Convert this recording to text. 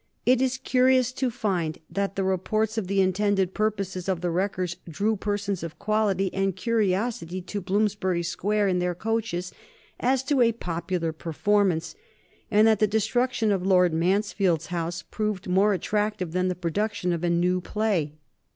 It is curious to find that the reports of the intended purposes of the wreckers drew persons of quality and curiosity to Bloomsbury Square in their coaches as to a popular performance, and that the destruction of Lord Mansfield's house proved more attractive than the production of a new play.